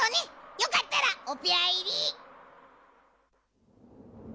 よかったらおぴゃいり。